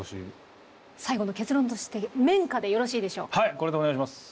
これでお願いします。